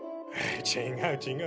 違う違う。